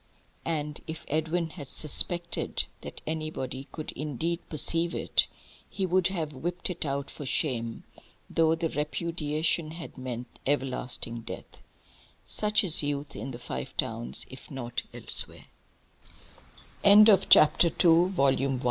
And if Edwin had suspected that anybody could indeed perceive it, he would have whipped it out for shame, though the repudiation had meant everlasting death. Such is youth in the Five Towns, if not elsewhere. VOLUME ONE, CHAPTER THREE. ENTRY INTO THE WORLD.